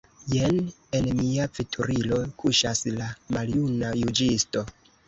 Jen en mia veturilo kuŝas la maljuna juĝisto.